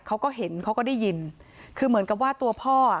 เขาก็เห็นเขาก็ได้ยินคือเหมือนกับว่าตัวพ่ออ่ะ